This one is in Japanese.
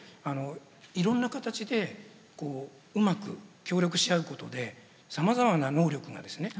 いろんな形でこううまく協力し合うことでさまざまな能力がですね